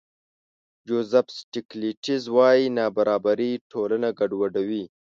جوزف سټېګلېټز وايي نابرابري ټولنه ګډوډوي.